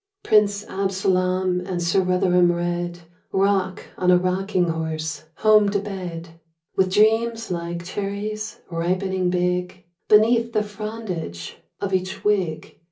P RINCE ABSOLAM and Sir Rotherham Rcdde Rock on a rocking horse home to bed With dreams Hke cherries ripening big Beneath the frondage of each wig.